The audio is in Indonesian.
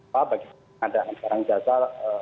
pak bagi pengadaan barang jasa